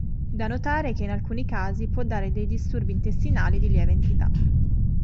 Da notare che in alcuni casi può dare dei disturbi intestinali di lieve entità.